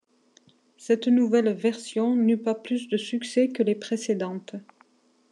Cette nouvelle version n'eut pas plus de succès que les précédentes.